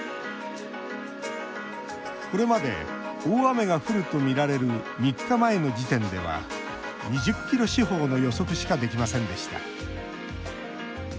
これまで、大雨が降るとみられる３日前の時点では２０ｋｍ四方の予測しかできませんでした。